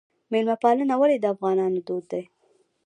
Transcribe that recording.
میلمه پالنه ولې د افغانانو دود دی؟